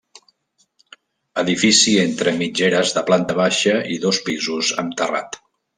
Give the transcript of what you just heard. Edifici entre mitgeres de planta baixa i dos pisos amb terrat.